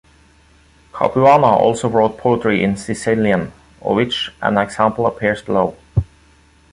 Capuana also wrote poetry in Sicilian, of which an example appears below.